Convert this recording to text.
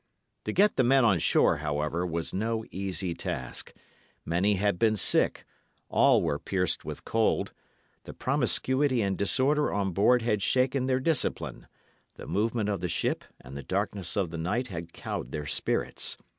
To get the men on shore, however, was no easy task; many had been sick, all were pierced with cold; the promiscuity and disorder on board had shaken their discipline; the movement of the ship and the darkness of the night had cowed their spirits.